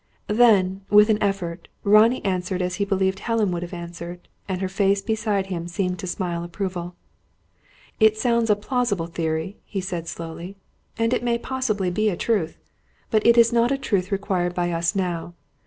Then, with an effort, Ronnie answered as he believed Helen would have answered; and her face beside him seemed to smile approval. "It sounds a plausible theory," he said slowly; "it may possibly be a truth. But it is not a truth required by us now.